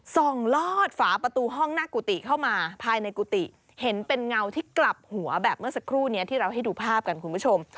ลอดฝาประตูห้องหน้ากุฏิเข้ามาภายในกุฏิเห็นเป็นเงาที่กลับหัวแบบเมื่อสักครู่นี้ที่เราให้ดูภาพกันคุณผู้ชม